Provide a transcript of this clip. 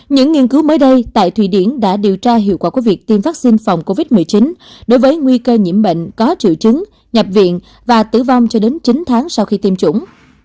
những nghiên cứu mới đây tại thụy điển đã điều tra hiệu quả của việc tiêm vaccine phòng covid một mươi chín đối với nguy cơ nhiễm bệnh có triệu chứng nhập viện và tử vong cho đến chín tháng sau khi tiêm chủng